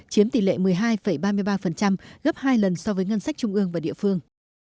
chiếm tỷ lệ một mươi hai ba mươi ba gấp hai lần so với ngân sách trung ương và địa phương